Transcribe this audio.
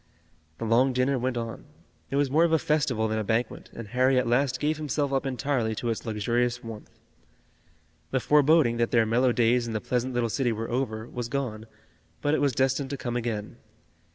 The long dinner went on. It was more of a festival than a banquet, and Harry at last gave himself up entirely to its luxurious warmth. The foreboding that their mellow days in the pleasant little city were over, was gone, but it was destined to come again.